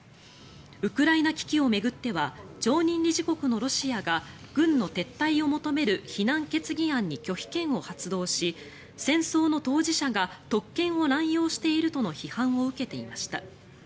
ウクライナ危機を巡っては常任理事国のロシアが軍の撤退を求める非難決議案に拒否権を発動し戦争の当事者が特権を乱用しているとの批判を受けていました。